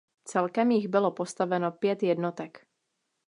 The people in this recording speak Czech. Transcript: Celkem jich bylo postaveno pět jednotek.